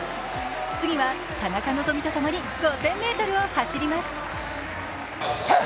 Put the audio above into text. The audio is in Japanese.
次は田中希実とともに５０００ｍを走ります。